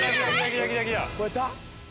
超えた？